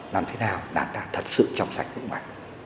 làm thế nào đảng ta thật sự trong sạch vững mạnh